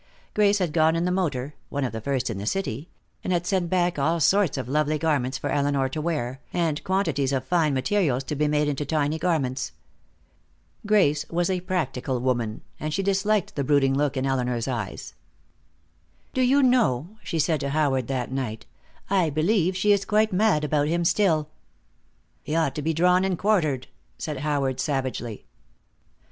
Grace had gone in the motor one of the first in the city and had sent back all sorts of lovely garments for Elinor to wear, and quantities of fine materials to be made into tiny garments. Grace was a practical woman, and she disliked the brooding look in Elinor's eyes. "Do you know," she said to Howard that night, "I believe she is quite mad about him still." "He ought to be drawn and quartered," said Howard, savagely.